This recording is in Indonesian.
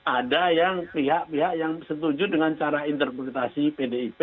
ada yang pihak pihak yang setuju dengan cara interpretasi pdip